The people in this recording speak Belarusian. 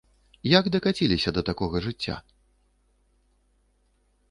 Як дакаціліся да такога жыцця?